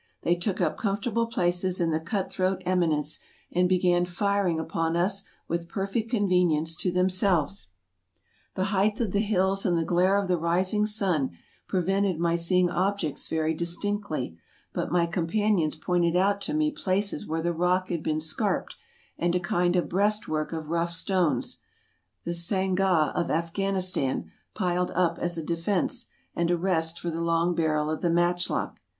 They took up comfortable places in the cut throat eminence, and began firing upon us with perfect convenience to themselves. The height of the hills and the glare of the rising sun prevented my seeing objects very distinctly, but my com panions pointed out to me places where the rock had been scarped and a kind of breastwork of rough stones — the Sangah of Afghanistan — piled up as a defense, and a rest for the long barrel of the matchlock.